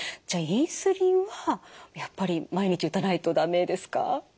じゃあインスリンはやっぱり毎日打たないと駄目ですか？